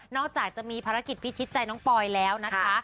จากจะมีภารกิจพิชิตใจน้องปอยแล้วนะคะ